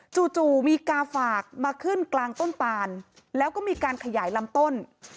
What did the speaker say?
จู่มีกาฝากมาขึ้นกลางต้นปานแล้วก็มีการขยายลำต้น